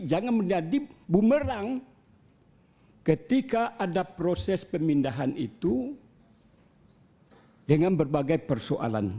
jadi bumerang ketika ada proses pemindahan itu dengan berbagai persoalan